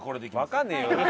わかんねえよ。